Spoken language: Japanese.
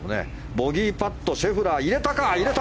ボギーパットシェフラー、入れた！